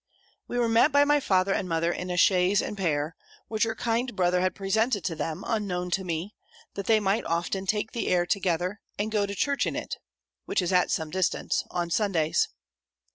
We were met by my father and mother in a chaise and pair, which your kind brother had presented to them unknown to me, that they might often take the air together, and go to church in it (which is at some distance) on Sundays.